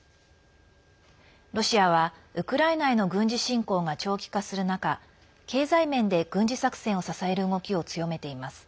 ロシアはウクライナへの軍事侵攻が長期化する中経済面で軍事作戦を支える動きを強めています。